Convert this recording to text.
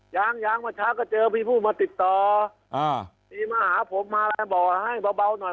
ยางมาช้าก็เจอภี่ผู้มาติดต่อมีมาหาผมมาแล้วบอกให้เบาหน่อย